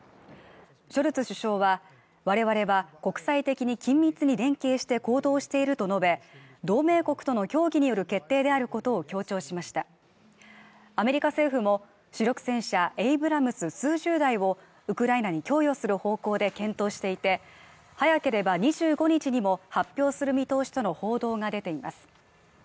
ショルツ首相は我々は国際的に緊密に連携して行動していると述べ同盟国との協議による決定であることを強調しましたアメリカ政府も主力戦車エイブラムス数十台をウクライナに供与する方向で検討していて早ければ２５日にも発表する見通しとの報道が出ています